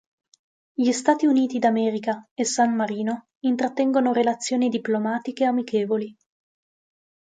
Gli Stati Uniti d'America e San Marino intrattengono relazioni diplomatiche amichevoli.